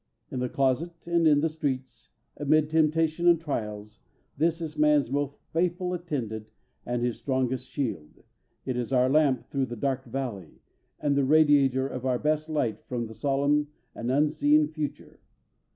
In the closet and in the streets, amid temptation and trials, this is man's most faithful attendant and his strongest shield. It is our lamp through the dark valley, and the radiator of our best light from the solemn and unseen future.